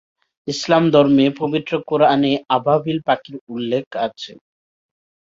ইসলাম ধর্মে পবিত্র কুরআনে আবাবিল পাখির উল্লেখ আছে।